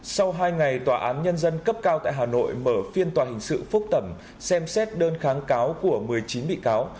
sau hai ngày tòa án nhân dân cấp cao tại hà nội mở phiên tòa hình sự phúc thẩm xem xét đơn kháng cáo của một mươi chín bị cáo